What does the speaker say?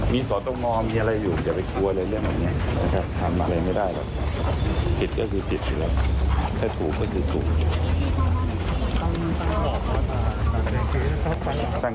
ไม่ว่านแล้วนะครับไม่เกิน๗วันเถอะ